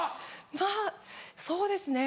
まぁそうですね